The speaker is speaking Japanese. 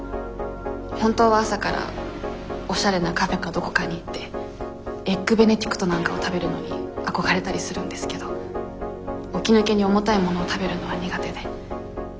本当は朝からおしゃれなカフェかどこかに行ってエッグベネディクトなんかを食べるのに憧れたりするんですけど起き抜けに重たいものを食べるのは苦手で。